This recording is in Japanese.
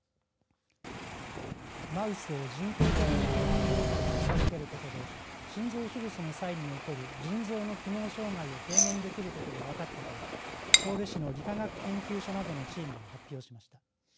マウスを人工的に冬眠状態に近づけることで心臓手術の際に起こる腎臓の機能障害を軽減できることが分かったと神戸市の理化学研究所などのチームが発表しました。